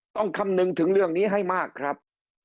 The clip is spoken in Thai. คำนึงถึงเรื่องนี้ให้มากครับ